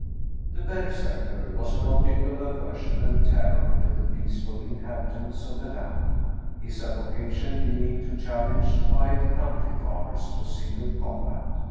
The berserkr was an object of aversion and terror to the peaceful inhabitants of the land, his avocation being to challenge quiet country farmers to single combat.